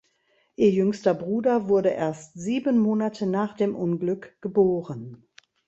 Ihr jüngster Bruder wurde erst sieben Monate nach dem Unglück geboren.